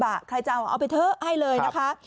มีคนขับรถกระบะใครจะเอาเอาไปเถอะให้เลยนะคะ